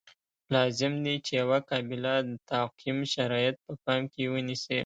لازم دي چې یوه قابله د تعقیم شرایط په پام کې ونیسي.